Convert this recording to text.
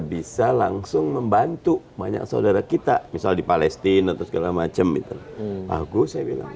bisa langsung membantu banyak saudara kita misal di palestina terus kelewatan cemit bagus saya bilang